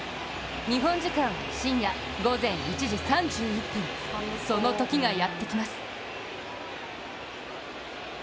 日本時間深夜午前１時３１分、そのときがやってきます。